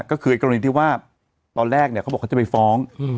ก็คือกรณีที่ว่าตอนแรกเนี่ยเขาบอกเขาจะไปฟ้อง